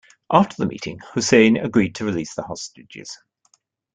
After the meeting, Hussein agreed to release the hostages.